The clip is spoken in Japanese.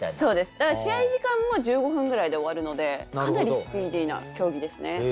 だから試合時間も１５分ぐらいで終わるのでかなりスピーディーな競技ですね。